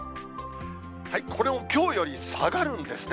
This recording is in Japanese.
これもきょうより下がるんですね。